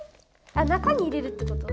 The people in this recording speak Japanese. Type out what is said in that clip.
あ中に入れるってこと？